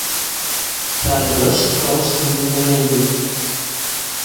Teɛjeb-as tkeṛṛust-inu tamaynut.